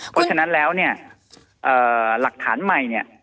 เพราะฉะนั้นแล้วเนี่ย